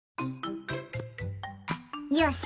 よし！